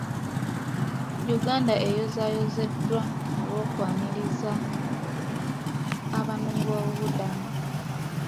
Uganda eyozaayozeddwa olw'okwaniriza abanoonyiboobubudamu.